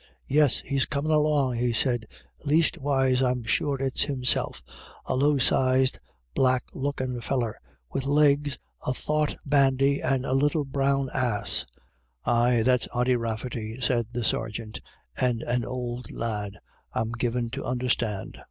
" Yes, he's comin' along," he said, " leastwise I'm sure it's himself — a low sized black lookin' feller, with legs a thought 126 IRISH IDYLLS. bandy, and a little brown ass." " Ay, that's Ody Rafferty ," said the sergeant, " and an ould lad, I'm given to understand."